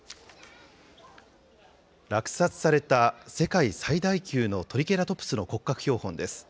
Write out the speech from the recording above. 落札された世界最大級のトリケラトプスの骨格標本です。